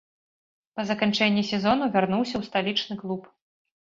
Па заканчэнні сезону вярнуўся ў сталічны клуб.